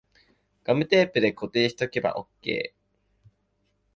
ガムテープで固定しとけばオッケー